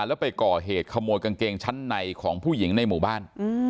แล้วไปก่อเหตุขโมยกางเกงชั้นในของผู้หญิงในหมู่บ้าน